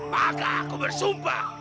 maka aku bersumpah